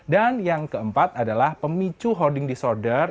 dan yang keempat adalah pemicu hoarding disorder